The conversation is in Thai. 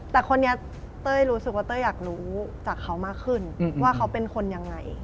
แต่คนนี้เต้ยรู้สึกว่าเต้ยอยากรู้จากเขามากขึ้นว่าเขาเป็นคนยังไง